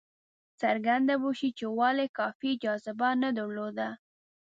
څرګنده به شي چې ولې کافي جاذبه نه درلوده.